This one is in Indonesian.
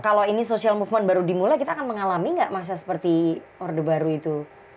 kalau ini social movement baru dimulai kita akan mengalami nggak masa seperti orde baru itu